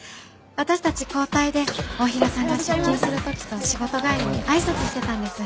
私たち交代で太平さんが出勤する時と仕事帰りに挨拶してたんです。